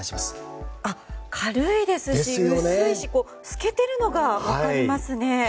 軽いですし薄いし透けているのが分かりますね！